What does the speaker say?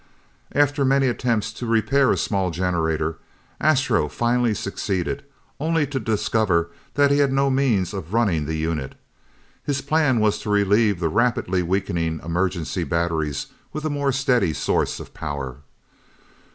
After many attempts to repair a small generator, Astro finally succeeded, only to discover that he had no means of running the unit. His plan was to relieve the rapidly weakening emergency batteries with a more steady source of power.